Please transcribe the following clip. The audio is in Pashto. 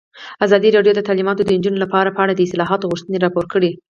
ازادي راډیو د تعلیمات د نجونو لپاره په اړه د اصلاحاتو غوښتنې راپور کړې.